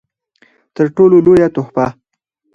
تر ټولو لويه تحفه